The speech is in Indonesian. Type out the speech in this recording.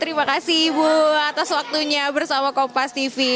terima kasih ibu atas waktunya bersama kompas tv